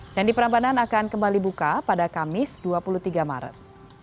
candi perambanan akan kembali buka pada kamis dua puluh tiga maret